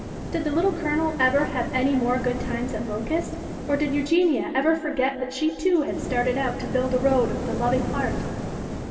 " Did the Little Colonel ever have any more good times at Locust, or did Eugenia ever forget that she too had started out to build a Road of the Loving Heart?